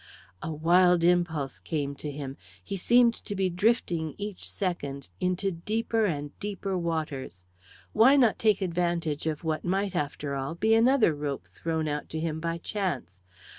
A wild impulse came to him. He seemed to be drifting, each second, into deeper and deeper waters. Why not take advantage of what might, after all, be another rope thrown out to him by chance?